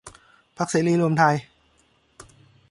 พรรคเสรีรวมไทย